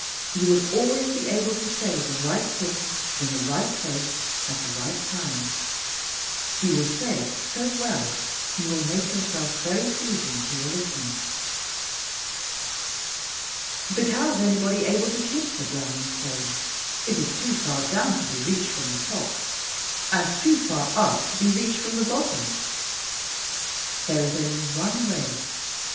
You will always be able to say the right thing in the right place at the right time. You will say it so well you will make yourself very pleasing to your listeners. But how is anybody able to kiss the Blarney Stone? It is too far down to be reached from the top, and too far up to be reached from the bottom. There is only one way.